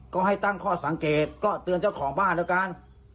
ก็ให้ตั้งข้อสังเกตก็เตือนเจ้าของบ้านแล้วกัน